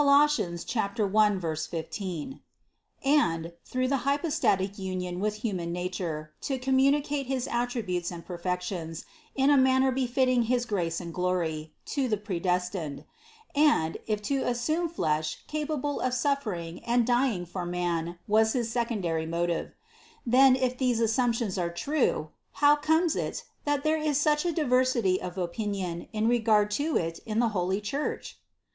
1, 15) and, through the hypostatic union with human nature, to communi cate his attributes and perfections, in a manner befitting his grace and glory, to the predestined; and, if to as sume flesh capable of suffering and dying for man was his secondary motive : then, if these assumptions are true, how comes it, that there is such a diversity of opinion in regard to it in the holy Church?